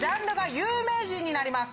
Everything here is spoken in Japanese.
有名人になります。